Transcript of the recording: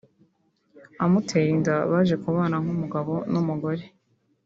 amutera inda baje kubana nk’umugabo n’umugore